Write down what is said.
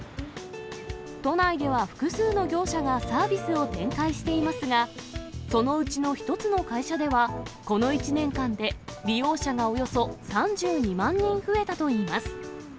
都内では複数の業者がサービスを展開していますが、そのうちの一つの会社では、この１年間で利用者がおよそ３２万人増えたといいます。